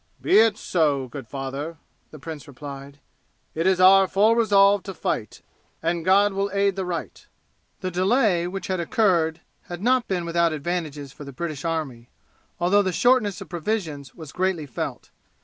"Be it so, good father," the prince replied, "it is our full resolve to fight, and God will aid the right." The delay which had occurred had not been without advantages for the British army, although the shortness of provisions was greatly felt.